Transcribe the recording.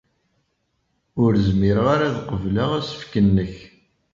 Ur zmireɣ ara ad qebleɣ asefk-nnek.